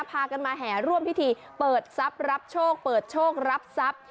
พากันมาแห่ร่วมพิธีเปิดซับรับโชคเปิดโชครับซับ